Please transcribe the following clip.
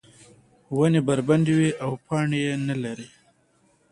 ونې بربنډې وې او پاڼې یې نه لرلې.